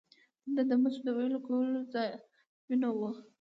دلته د مسو د ویلې کولو ځایونه وو